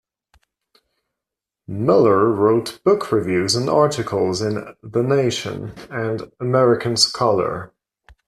Miller wrote book reviews and articles in "The Nation" and "American Scholar".